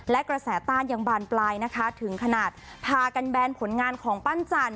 และกระแสต้านยังบานปลายนะคะถึงขนาดพากันแบนผลงานของปั้นจันท